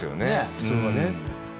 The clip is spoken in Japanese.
普通はね。